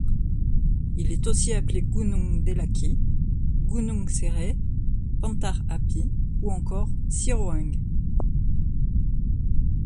Il est aussi appelé Gunung Delaki, Gunung Sereh, Pantar Api ou encore Siroeng.